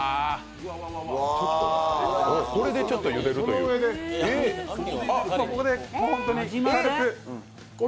これでちょっとゆでるという、おお。